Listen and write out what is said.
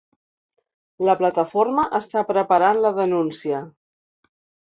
La Plataforma està preparant la denúncia.